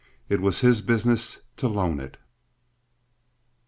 It was his business to loan it.